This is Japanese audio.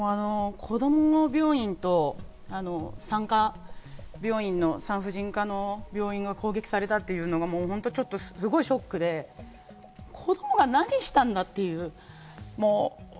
子供の病院と産婦人科の病院を攻撃されたっていうのはもう本当にちょっとショックで、子供が何したんだっていう。